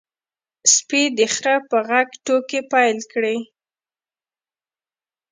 سپي د خره په غږ ټوکې پیل کړې.